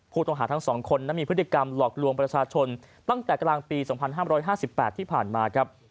ผู้ต้องหาทั้ง๒คนนั้นมีพฤติกรรมหลอกลวงประชาชนตั้งแต่กลางปี๒๕๕๘ที่ผ่านมาครับ